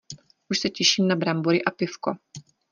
Už se těším na brambory a pivko.